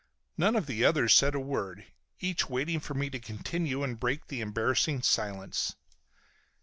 None of the others said a word, each waiting for me to continue and to break the embarrassing silence.